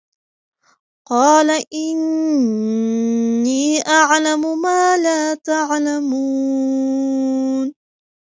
قَالَ إِنِّىٓ أَعْلَمُ مَا لَا تَعْلَمُونَ